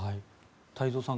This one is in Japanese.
太蔵さん